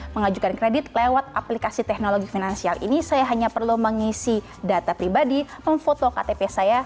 mengajukan kredit lewat aplikasi teknologi finansial ini saya hanya perlu mengisi data pribadi memfoto ktp saya